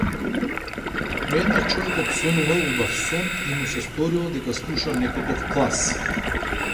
Но еднаш човекот сонувал убав сон и му се сторило дека слуша некаков клас.